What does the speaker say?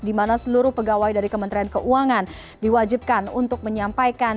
dimana seluruh pegawai dari kementerian keuangan diwajibkan untuk menyampaikan